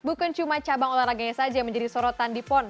bukan cuma cabang olahraganya saja yang menjadi sorotan di pon